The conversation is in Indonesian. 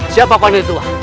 siapa pakwan dari tua